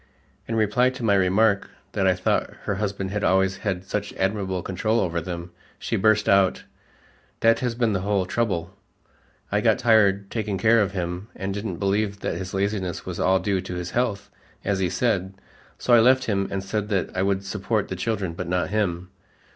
In reply to my remark that I thought her husband had always had such admirable control over them, she burst out, "That has been the whole trouble. I got tired taking care of him and didn't believe that his laziness was all due to his health, as he said, so I left him and said that I would support the children, but not him.